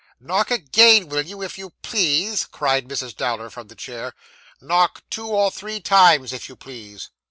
'Knock again, will you, if you please,' cried Mrs. Dowler from the chair. 'Knock two or three times, if you please.